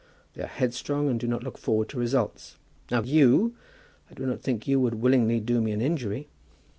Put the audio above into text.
They are headstrong and do not look forward to results. Now you, I do not think you would willingly do me an injury?"